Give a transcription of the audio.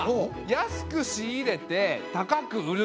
安く仕入れて高く売る！